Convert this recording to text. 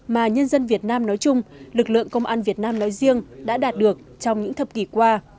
mà nhân dân việt nam nói chung lực lượng công an việt nam nói riêng đã đạt được trong những thập kỷ qua